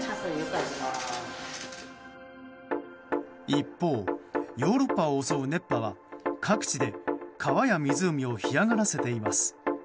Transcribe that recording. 一方、ヨーロッパを襲う熱波は各地で川や湖を干上がらせています。